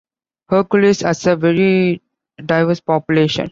Hercules has a very diverse population.